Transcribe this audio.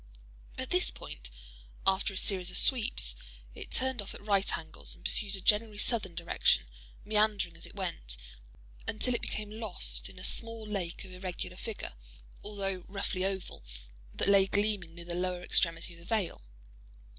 At this point, after a series of sweeps, it turned off at right angles and pursued a generally southern direction meandering as it went—until it became lost in a small lake of irregular figure (although roughly oval), that lay gleaming near the lower extremity of the vale.